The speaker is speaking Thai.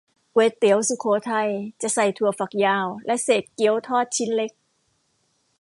ก๋วยเตี๋ยวสุโขทัย จะใส่ถั่วฝักยาว และเศษเกี๊ยวทอดชิ้นเล็ก